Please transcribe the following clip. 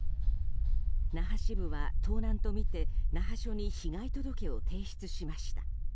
那覇支部は盗難とみて那覇署に被害届を提出しました。